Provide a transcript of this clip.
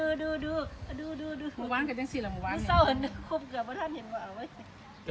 พี่ตุ๊กพี่หมูผ่าเจ้าของมา